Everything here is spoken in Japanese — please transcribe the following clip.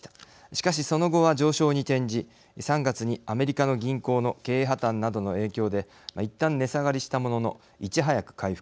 しかしその後は上昇に転じ３月にアメリカの銀行の経営破綻などの影響でいったん値下がりしたもののいち早く回復。